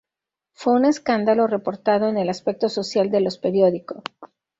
Fue un escándalo reportado en el aspecto social de los periódico.